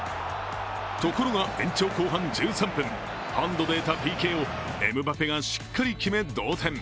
ところが延長後半１３分、ハンドで得たＰＫをエムバペがしっかり決め同点。